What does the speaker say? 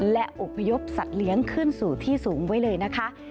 และอบพยพสัตว์เลี้ยงขึ้นสู่ที่สูงไว้เลยนะคะ